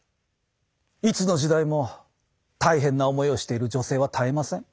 いつの時代も大変な思いをしている女性は絶えません。